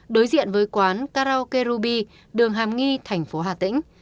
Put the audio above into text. đối diện với quán karaoke ruby đường hàm nghi thành phố hà tĩnh